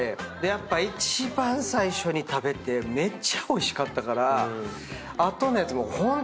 やっぱ一番最初に食べてめっちゃおいしかったから。